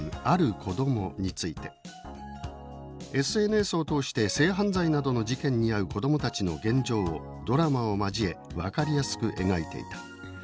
「ある子ども」について「ＳＮＳを通して性犯罪などの事件に遭う子どもたちの現状をドラマを交え分かりやすく描いていた。